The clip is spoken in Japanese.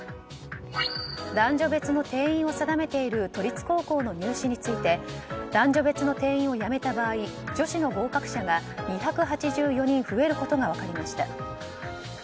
男女別の定員を定めている都立高校の定員について男女別の定員をやめた場合女子の合格者が２８４人増えることが分かりました。